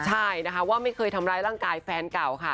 ใช่นะคะว่าไม่เคยทำร้ายร่างกายแฟนเก่าค่ะ